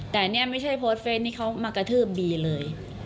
แต่นี่ไม่ใช่โพสต์เฟสที่เขามากระทืบบีเลย